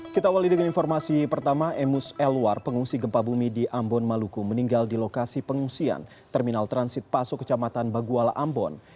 kita awali dengan informasi pertama emus elwar pengungsi gempa bumi di ambon maluku meninggal di lokasi pengungsian terminal transit paso kecamatan baguala ambon